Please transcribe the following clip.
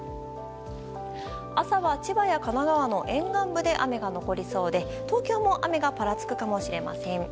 朝は、千葉や神奈川の沿岸部で雨が残りそうで東京も雨がぱらつくかもしれません。